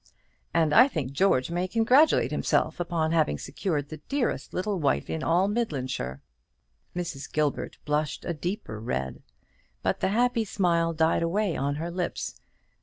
"And I think George may congratulate himself upon having secured the dearest little wife in all Midlandshire." Mrs. Gilbert blushed a deeper red; but the happy smile died away on her lips.